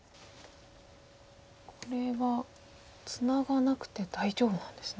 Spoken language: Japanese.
これはツナがなくて大丈夫なんですね？